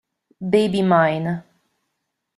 Baby Mine